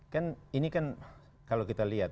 kan ini kan kalau kita lihat